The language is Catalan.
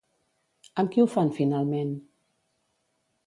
Amb qui ho fan finalment?